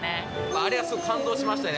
あれはすごい感動しましたね。